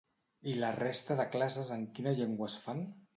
I la resta de classes en quina llengua es fan?